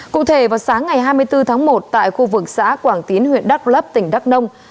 cụ thể vào sáng ngày hai mươi bốn tháng một tại khu vực xã quảng tín huyện đắk lấp tỉnh đắk nông